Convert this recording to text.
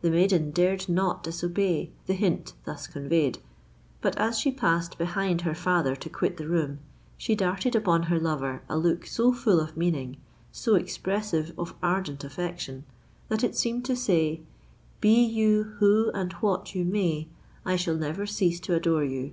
"—The maiden dared not disobey the hint thus conveyed; but as she passed behind her father to quit the room, she darted upon her lover a look so full of meaning—so expressive of ardent affection, that it seemed to say, "Be you who and what you may, I shall never cease to adore you!"